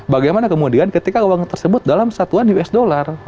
bagaimana kemudian ketika uang tersebut dalam satuan us dollar